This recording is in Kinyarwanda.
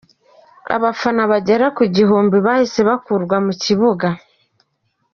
Abafana baharurwa mu bihumbi baciye bakurwa mu kibuga.